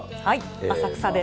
浅草です。